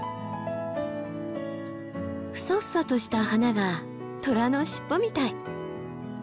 フサフサとした花が虎のしっぽみたい。